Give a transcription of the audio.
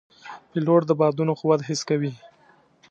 پیلوټ د بادونو قوت حس کوي.